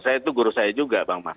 saya itu guru saya juga bang mas